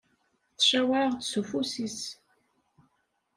Tcewweṛ-aɣ-d s ufus-is.